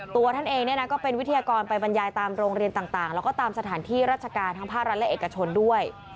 ตัวท่านเองเนี่ยนะก็เป็นวิทยากรไปบรรยายตามโรงเรียนต่างแล้วก็ตามสถานที่ราชการทั้งภาครัฐและเอกชนด้วย